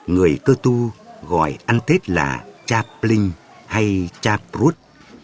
người cơ tu gọi ăn tết là chaplin hay chaplut